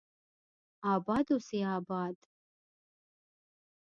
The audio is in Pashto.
اباد اوسي اباد